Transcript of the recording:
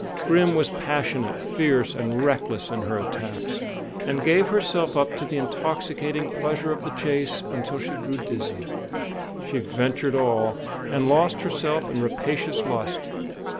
Grim was passionate, fierce, and reckless in her attacks, and gave herself up to the intoxicating pleasure of the chase until she grew dizzy. She ventured all, and lost herself in rapacious lust.